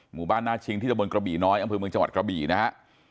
หมู่บ้านหน้าชิงที่ตะบนกระบี่น้อยอำเภอเมืองจังหวัดกระบี่นะฮะ